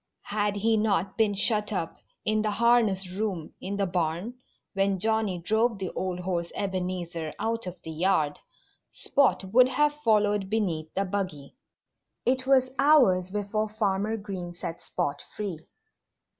Had he not been shut up in the harness room in the barn when Johnnie drove the old horse Ebenezer out of the yard Spot would have followed beneath the buggy. It was hours before Farmer Green set Spot free.